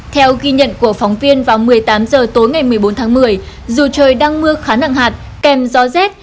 theo ghi nhận của phóng viên vào một mươi tám h tối ngày một mươi bốn tháng một mươi dù trời đang mưa khá nặng hạt kèm gió rét